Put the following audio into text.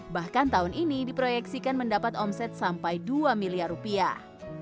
bahkan tahun ini diproyeksikan mendapat omset sampai dua miliar rupiah